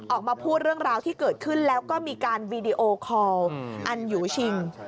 ออกมาพูดเรื่องราวที่เกิดขึ้นแล้วก็มีการวีดีโอคอลอันยูชิง